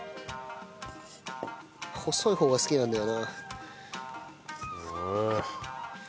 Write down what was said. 細い方が好きなんだよな。